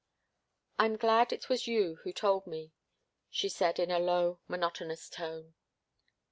"I'm glad it was you who told me," she said in a low, monotonous tone.